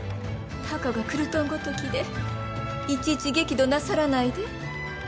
たかがクルトンごときでいちいち激怒なさらないで。